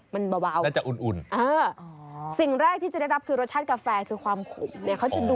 มันเบาและจะอุ่น